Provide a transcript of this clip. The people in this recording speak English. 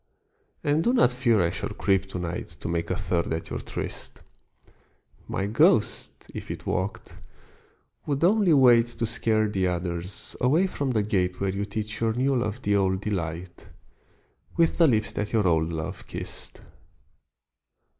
And do not fear I shall creep to night To make a third at your tryst: My ghost, if it walked, would only wait To scare the others away from the gate Where you teach your new love the old delight, With the lips that your old love kissed.